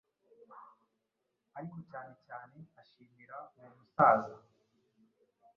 ariko cyanecyane ashimira uwo musaza